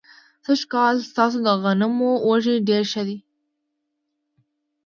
سږ کال ستاسو د غنمو وږي ډېر ښه دي.